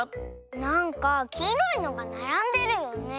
なんかきいろいのがならんでるよね。